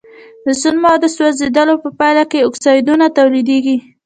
د سون موادو سوځیدلو په پایله کې اکسایدونه تولیدیږي.